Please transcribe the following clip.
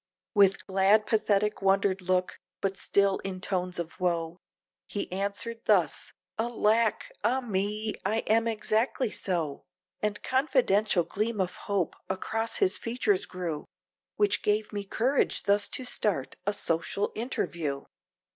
With glad pathetic wondered look, but still in tones of woe, He answered thus, "Alack! ah me I am exactly so" And confidential gleam of hope across his features grew, Which gave me courage thus to start a social interview.